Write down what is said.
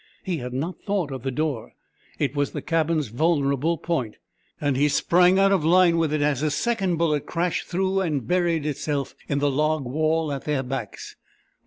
He had not thought of the door. It was the cabin's vulnerable point, and he sprang out of line with it as a second bullet crashed through and buried itself in the log wall at their backs.